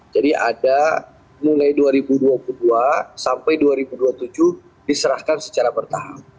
jadi ada mulai dua ribu dua puluh dua sampai dua ribu dua puluh tujuh diserahkan secara bertahap